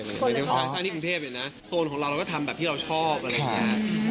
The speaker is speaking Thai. เหมือนยังสร้างที่กรุงเทพเลยนะโซนของเราเราก็ทำแบบที่เราชอบอะไรอย่างนี้